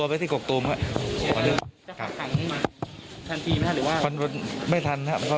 นี่มีการทำแผนใช่มั้ยครับ